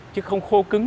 chứ không khô cứng